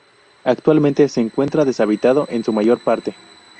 Actualmente se encuentra deshabitado en su mayor parte.